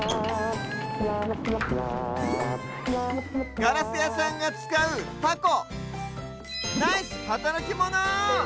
ガラスやさんがつかう「タコ」ナイスはたらきモノ！